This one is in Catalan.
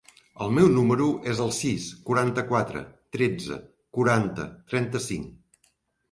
El meu número es el sis, quaranta-quatre, tretze, quaranta, trenta-cinc.